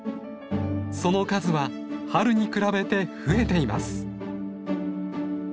その数は春に比べて増えています。